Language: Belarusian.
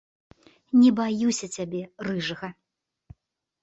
Не баюся цябе, рыжага.